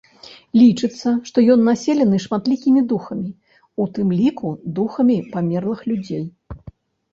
Лічыцца, што ён населены шматлікімі духамі, у тым ліку духамі памерлых людзей.